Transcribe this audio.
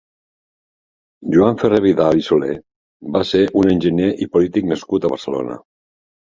Joan Ferrer-Vidal i Soler va ser un enginyer i polític nascut a Barcelona.